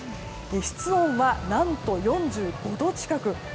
室温は何と４５度近く。